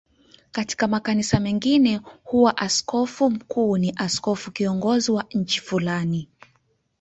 Katika makanisa mengine huwa askofu mkuu ni askofu kiongozi wa nchi fulani.